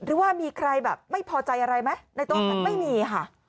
หรือว่ามีใครแบบไม่พอใจอะไรไหมในโต๊ะนั้นไม่มีค่ะ